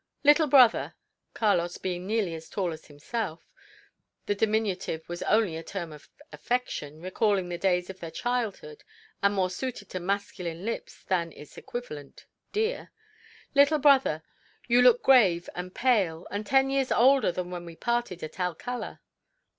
Little brother" (Carlos being nearly as tall as himself, the diminutive was only a term of affection, recalling the days of their childhood, and more suited to masculine lips than its equivalent, dear) "little brother, you look grave and pale, and ten years older than when we parted at Alcala."